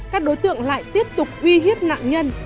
các đối tượng lại tiếp tục uy hiếp nạn nhân